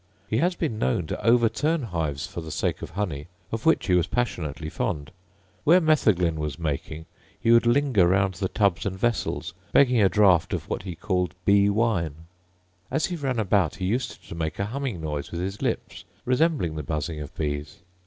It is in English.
He has been known to overturn hives for the sake of honey, of which he was passionately fond. Where metheglin was making he would linger round the tubs and vessels, begging a draught of what he called bee wine. As he ran about he used to make a humming noise with his lips, resembling the buzzing of bees.